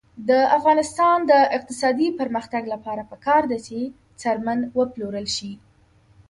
د افغانستان د اقتصادي پرمختګ لپاره پکار ده چې څرمن وپلورل شي.